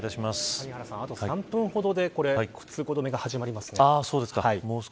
あと３分ほどで通行止めが始まりますね。